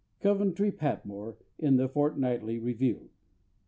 COVENTRY PATMORE, in _The Fortnightly Review.